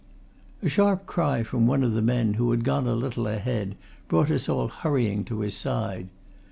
A sharp cry from one of the men who had gone a little ahead brought us all hurrying to his side.